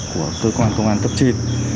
của cơ quan công an tấp trên